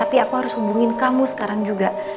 tapi aku harus hubungin kamu sekarang juga